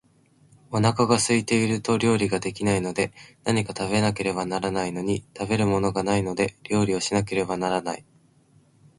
お腹が空いていると料理が出来ないので、何か食べなければならないのに、食べるものがないので料理をしなければならない